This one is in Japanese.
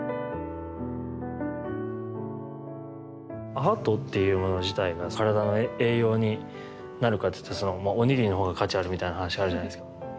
アートっていうもの自体が体の栄養になるかっていうとそのまあお握りの方が価値あるみたいな話があるじゃないですか。